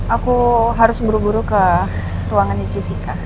aku harus buru buru ke ruangan di cisika